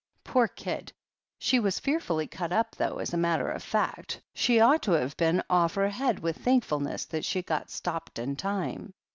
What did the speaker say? Poor kid, she was fearfully cut up, though as a matter of fact she ought to have been off her head with thankfulness that she got stopped in time.